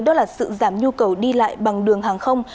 đó là sự giảm nhu cầu đi lại bằng đường hàng không